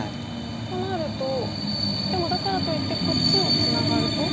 となるとでもだからといってこっちをツナがると？